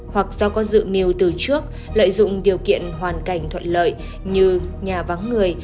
hoặc do có dự miêu từ trước lợi dụng điều kiện hoàn cảnh thuận lợi như nhà vắng người